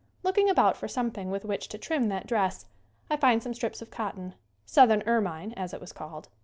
Looking about for something with which to trim that dress I find some strips of cotton "southern ermine," as it was called.